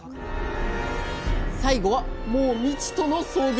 最後はもう未知との遭遇。